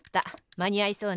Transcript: まにあいそうね。